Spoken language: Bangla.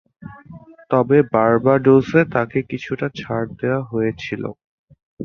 তবে, বার্বাডোসে তাকে কিছুটা ছাড় দেয়া হয়েছিল।